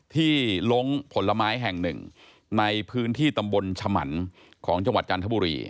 ลงผลไม้แห่งหนึ่งในพื้นที่ตำบลฉมันของจังหวัดจันทบุรี